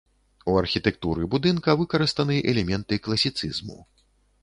У архітэктуры будынка выкарыстаны элементы класіцызму.